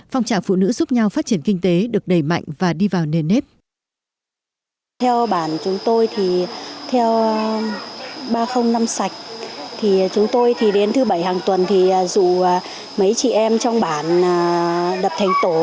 phong trào phụ nữ giúp nhau phát triển kinh tế được đẩy mạnh và đi vào nền nếp